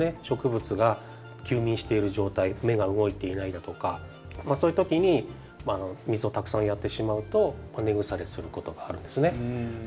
植物が休眠している状態芽が動いていないだとかそういう時に水をたくさんやってしまうと根腐れすることがあるんですね。